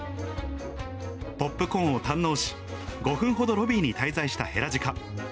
ポップコーンを堪能し、５分ほどロビーに滞在したヘラジカ。